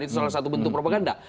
itu salah satu bentuk propaganda